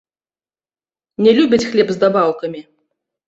Не любяць хлеб з дабаўкамі.